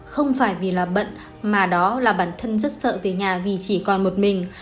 không phải vì là bận mà đó là bản thân rất sợ về nhà vì chỉ còn một mình